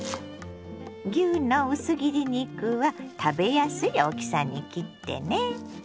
牛の薄切り肉は食べやすい大きさに切ってね。